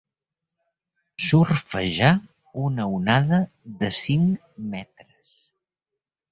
Surfejar una onada de cinc metres.